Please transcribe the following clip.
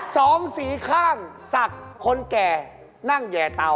สองสีข้างศักดิ์คนแก่นั่งแย่เตา